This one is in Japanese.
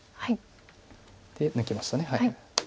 で抜きました。